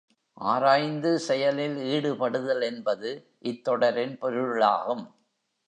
ஆராய்ந்து செயலில் ஈடுபடுதல் என்பது இத் தொடரின் பொருளாகும்.